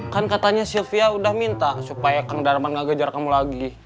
kan katanya sylvia udah minta supaya kang darman gak gejar kamu lagi